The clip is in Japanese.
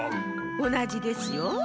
おなじですよ。